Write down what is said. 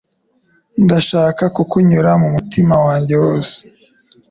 Ndashaka kukunyura n’umutima wanjye wose